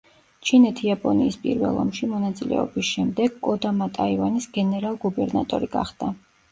ჩინეთ-იაპონიის პირველ ომში მონაწილეობის შემდეგ, კოდამა ტაივანის გენერალ-გუბერნატორი გახდა.